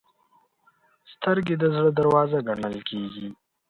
سترګې د زړه دروازه ګڼل کېږي